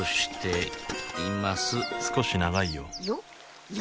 少し長いよよ？